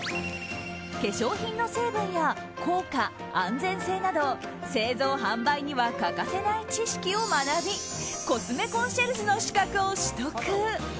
化粧品の成分や効果・安全性など製造・販売には欠かせない知識を学びコスメコンシェルジュの資格を取得。